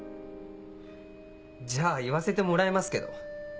じゃあ言わせてもらいますけど。